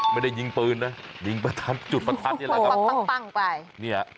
ไม่ได้ยิงปืนนะยิงประทัดจุดประทัดนี่แหละครับปั้งไปเนี่ย